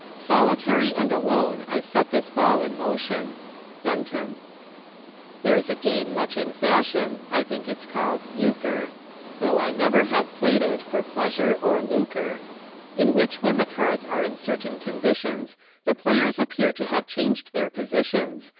" Solitary and alone I set this ball in motion." Benton* " There's a game much in fashion— I think it's called Euchre, (Though I never have played it, for pleasure or lucre,) In which when the cards are in certain conditions, The players appear to have changed their positions